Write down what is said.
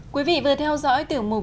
quý vị vừa theo dõi tiểu mục